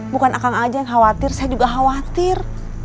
bukan akang aja yang khawatir saya juga khawatir